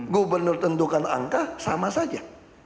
gubernur tentukan angka sama saja